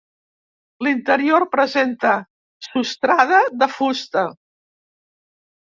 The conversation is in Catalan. L'interior presenta sostrada de fusta.